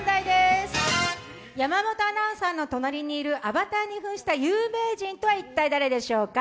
山本アナウンサーの隣にいるアバターに扮した有名人とは一体誰でしょうか。